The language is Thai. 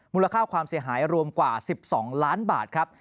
มูลค่าความเสียหายรวมกว่า๑๒ล้านบาทครับ